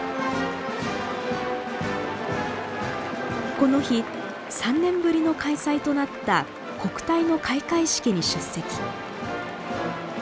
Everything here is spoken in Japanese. この日３年ぶりの開催となった国体の開会式に出席。